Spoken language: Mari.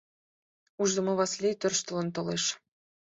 Ушдымо Васлий тӧрштылын толеш.